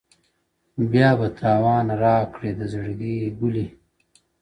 o بيا به تاوان راکړې د زړگي گلي؛